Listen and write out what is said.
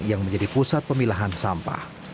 yang menjadi pusat pemilahan sampah